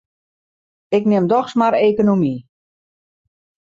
Ik nim dochs mar ekonomy.